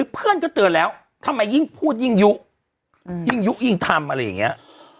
เพื่อนก็เตือนแล้วทำไมยิ่งพูดยิ่งยุยิ่งยุยิ่งทำอะไรอย่างนี้